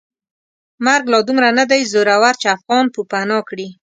مرګ لا دومره ندی زورور چې افغان پوپناه کړي.